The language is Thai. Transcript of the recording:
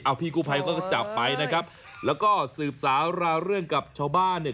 พี่กู้ภัยเขาก็จับไปนะครับแล้วก็สืบสาวราวเรื่องกับชาวบ้านเนี่ย